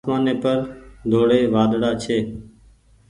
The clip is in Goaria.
آسمآني پر ڍوڙي وآۮڙآ ڇي۔